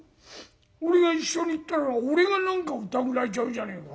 俺が一緒に行ったら俺が何かうたぐられちゃうじゃねえか。